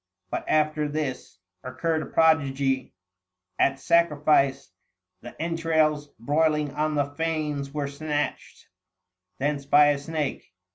But after this Occurred a prodigy ; at sacrifice The entrails broiling on the fanes were snatched Thence by a snake.